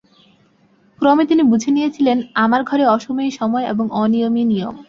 ক্রমে তিনি বুঝে নিয়েছিলেন আমার ঘরে অসময়ই সময় এবং অনিয়মই নিয়ম।